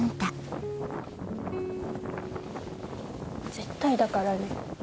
絶対だからね。